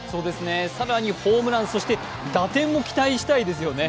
更にホームラン、そして打点も期待したいですよね。